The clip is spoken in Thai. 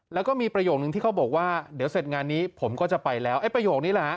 แล้วก็มีประโยคนึงที่เขาบอกว่าเดี๋ยวเสร็จงานนี้ผมก็จะไปแล้วไอ้ประโยคนี้แหละฮะ